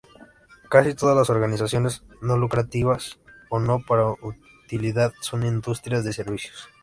Casi todas las organizaciones no lucrativas o no para utilidad son industrias de servicios.